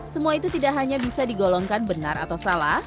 semua itu tidak hanya bisa digolongkan benar atau salah